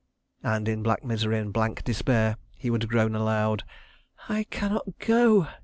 ... And in black misery and blank despair he would groan aloud: "I cannot go.